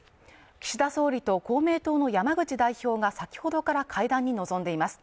岸田総理と公明党の山口代表が先ほどから会談に臨んでいます。